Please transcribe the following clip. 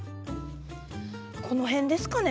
この辺ですかね？